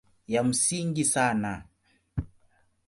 Ya msingi sana